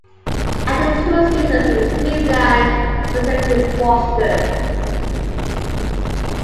After two seasons in Cleveland he was sent to Boston.